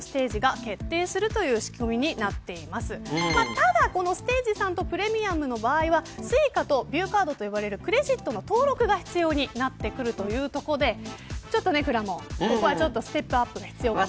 ただ、このステージ３とプレミアムの場合はＳｕｉｃａとビューカードと呼ばれるクレジットの登録が必要になってくるというところでくらもん、ここはステップアップが必要かな。